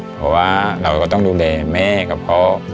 เพราะว่าเราก็ต้องดูแลแม่กับพ่อ